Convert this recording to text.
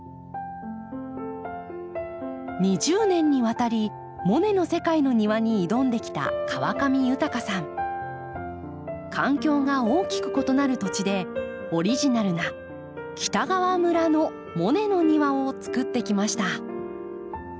２０年にわたりモネの世界の庭に挑んできた環境が大きく異なる土地でオリジナルな北川村のモネの庭をつくってきました。